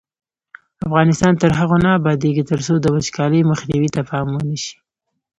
افغانستان تر هغو نه ابادیږي، ترڅو د وچکالۍ مخنیوي ته پام ونشي.